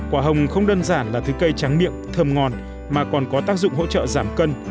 quả hồng không đơn giản là thứ cây tráng miệng thơm ngon mà còn có tác dụng hỗ trợ giảm cân